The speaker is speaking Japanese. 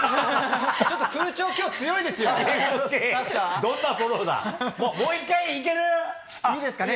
ちょっと空調今日強いですよね。